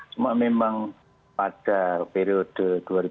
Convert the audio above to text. cuma memang pada periode